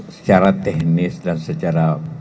secara teknis dan secara